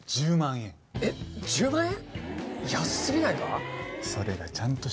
えっ１０万円？